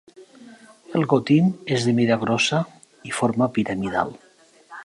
El gotim és de mida grossa i forma piramidal.